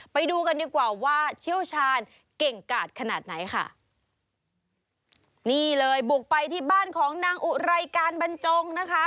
ไปดูกันดีกว่าว่าเชี่ยวชาญเก่งกาดขนาดไหนค่ะนี่เลยบุกไปที่บ้านของนางอุไรการบรรจงนะคะ